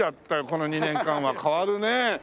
この２年間は変わるねえ。